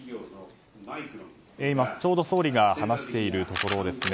今、ちょうど総理が話しているところですね。